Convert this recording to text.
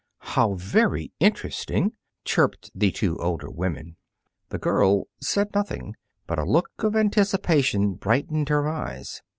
"How very interesting!" chirped the two older women. The girl said nothing, but a look of anticipation brightened her eyes.